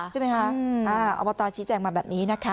ใช่ไหมคะอบตชี้แจงมาแบบนี้นะคะ